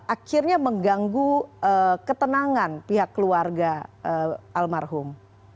akhirnya mengganggu ketenangan pihak keluarga almarhum